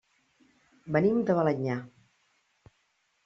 Venim de Balenyà.